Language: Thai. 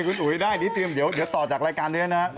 โอเคคุณอุ๋ยได้นี่เตรียมเดี๋ยวต่อจากรายการด้วยนะครับ